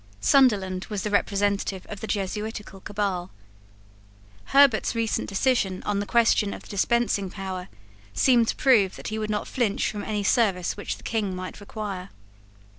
Sunderland was the representative of the Jesuitical cabal. Herbert's recent decision on the question of the dispensing power seemed to prove that he would not flinch from any service which the King might require.